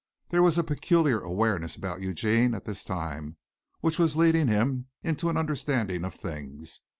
There was a peculiar awareness about Eugene at this time, which was leading him into an understanding of things.